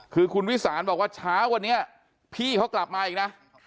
คือคุณวิสานบอกว่าเช้าวันนี้พี่เขากลับมาอีกนะ